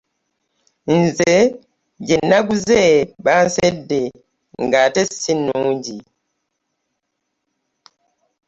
Nze ze naguze bansedde ng'ate si nnungi.